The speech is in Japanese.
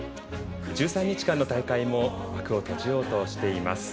１３日間の大会も幕を閉じようとしています。